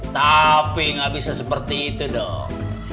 tapi nggak bisa seperti itu dok